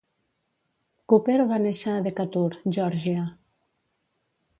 Cooper va néixer a Decatur, Georgia.